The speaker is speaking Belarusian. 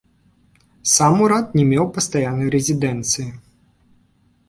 Сам ўрад не меў пастаяннай рэзідэнцыі.